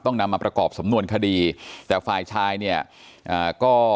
ต้องนำมาประกอบสำนวนคดีแต่ฝ่ายชายเนี่ยก็จะต้องเรียกมารับทราบข้อกล่าวหานะครับ